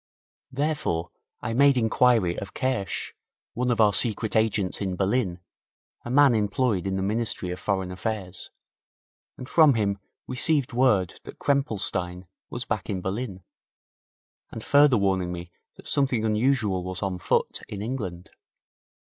Therefore I made inquiry of Kersch, one of our secret agents in Berlin, a man employed in the Ministry of Foreign Affairs, and from him received word that Krempelstein was back in Berlin, and further warning me that something unusual was on foot in England.